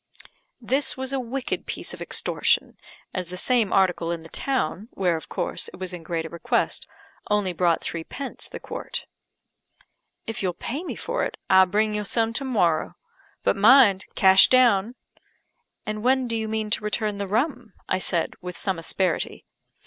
This was a wicked piece of extortion, as the same article in the town, where, of course, it was in greater request, only brought three pence the quart. "If you'll pay me for it, I'll bring you some to morrow. But mind cash down." "And when do you mean to return the rum?" I said, with some asperity.